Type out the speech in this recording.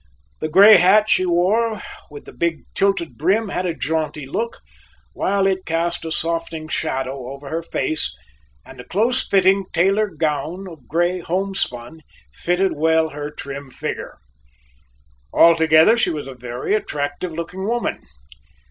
The gray hat she wore with the big tilted brim had a jaunty look, while it cast a softening shadow over her face, and a close fitting tailor gown of gray home spun fitted well her trim figure. Altogether she was a very attractive looking woman.